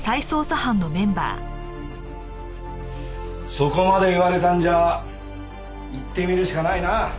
そこまで言われたんじゃ行ってみるしかないな。